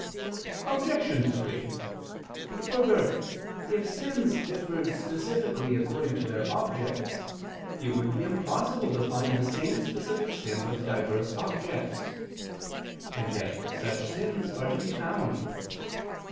Obj. 3: Further, if sins differed specifically according to their objects, it would be impossible to find the same specific sin with diverse objects: and yet such sins are to be found.